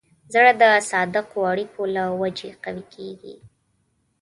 زړه د صادقو اړیکو له وجې قوي کېږي.